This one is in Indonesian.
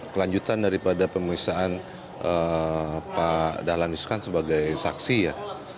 kelanjutan daripada pemeriksaan pak dahlan iskan sebagai saksi ya